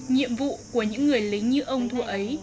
nhiệm vụ của những người lính như ông thua ấy